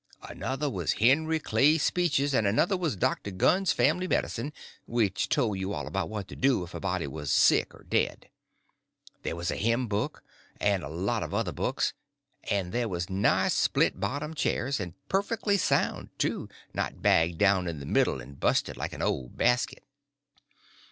Another was Henry Clay's Speeches, and another was Dr. Gunn's Family Medicine, which told you all about what to do if a body was sick or dead. There was a hymn book, and a lot of other books. And there was nice split bottom chairs, and perfectly sound, too—not bagged down in the middle and busted, like an old basket.